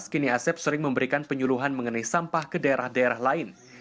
kini asep sering memberikan penyuluhan mengenai sampah ke daerah daerah lain